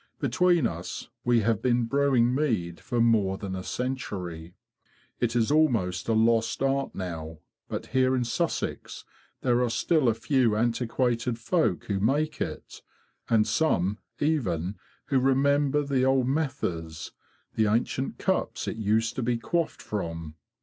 Between us we have been brewing mead for more than a century. It is almost a lost art now; but here in Sussex there are still a few antiquated folk who make it, and some, even, who remember the old methers—the ancient cups it used to be quaffed from.